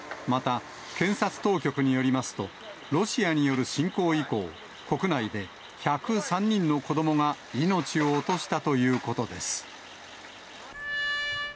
また、検察当局によりますと、ロシアによる侵攻以降、国内で１０３人の子どもが命を落としたということです。